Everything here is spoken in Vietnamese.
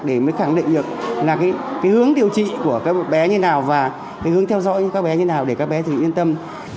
để mới khẳng định được là cái hướng điều trị của các bé như nào và cái hướng theo dõi các bé như thế nào để các bé thì yên tâm